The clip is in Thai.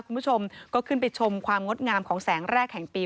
คุณผู้ชมก็ขึ้นไปชมความงดงามของแสงแรกแห่งปี